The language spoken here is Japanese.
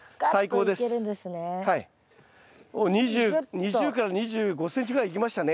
２０から２５ｃｍぐらいいきましたね